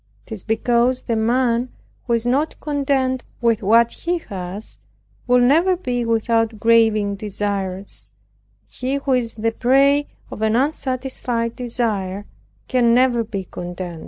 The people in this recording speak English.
It is because the man who is not content with what he has, will never be without craving desires; and he who is the prey of an unsatisfied desire, can never be content.